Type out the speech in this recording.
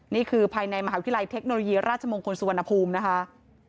นี่คือภายในมหาวิทยาลัยเทคโนโลยีราชมงคลสุวรรณภูมินะคะ